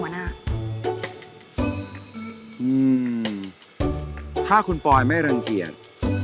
ถ้าคุณปอยไม่รังเกียจ